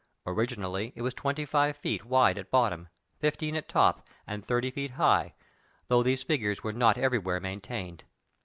Originally it was twenty five feet wide at bottom, fifteen at top and thirty feet high, though these figures were not everywhere maintained.